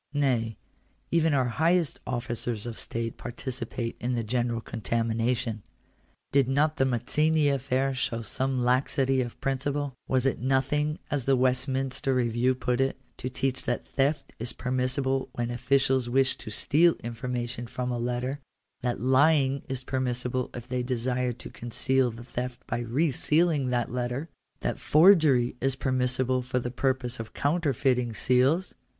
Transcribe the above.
Nay, even our highest officers of state participate in the general contamination. Did not the Mazzini affair show some laxity of principle ? Was it nothing, as the Westminster Re view put it, to teach that theft is permissible when officials wish to steal information from a letter — that lying is permis sible if they desire to conceal the theft by re sealing that letter — that forgery is permissible for the purpose of counterfeiting seals